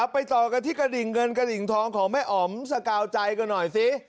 ไปต่อกันที่กระดิ่งเงินกระดิ่งทองของแม่อ๋อมสกาวใจกันหน่อยสิ